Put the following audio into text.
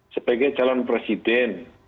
sebagai calon presiden